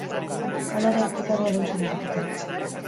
Hala ere, ez dago deus erabakita.